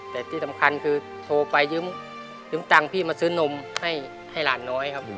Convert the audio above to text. แต่ที่สำคัญคือโทรไปยืมตังค์พี่มาซื้อนมให้หลานน้อยครับ